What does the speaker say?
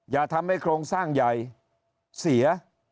อย่าทำให้โครงสร้างใหญ่เสีย